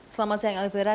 selamat siang elvira